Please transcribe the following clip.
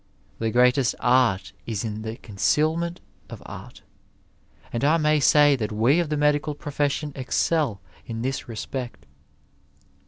The greatest art is in the concealment of art, and I may say that we of the medical profession excel in this respect.